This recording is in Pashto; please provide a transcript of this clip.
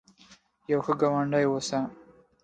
یو ښه ګاونډي اوسه